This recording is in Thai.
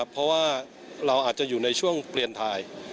เพราะว่าเราอยู่ในช่วงเปลี่ยนไทย